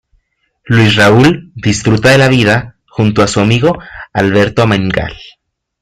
Luis Raúl disfruta de la vida junto a su amigo Alberto Amengual.